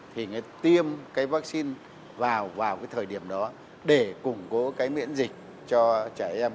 thì mới tiêm cái vaccine vào vào cái thời điểm đó để củng cố cái miễn dịch cho trẻ em